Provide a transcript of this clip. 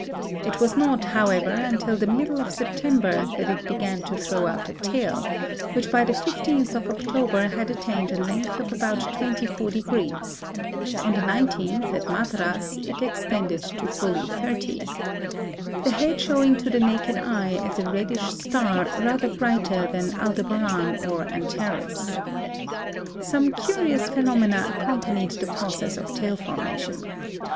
It was not, however, until the middle of September that it began to throw out a tail, which by the 15th of October had attained a length of about 24 degrees (on the 19th, at Madras, it extended to fully 30), the head showing to the naked eye as a reddish star rather brighter than Aldebaran or Antares. Some curious phenomena accompanied the process of tail formation.